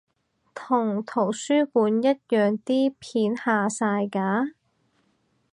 同圖書館一樣啲片下晒架？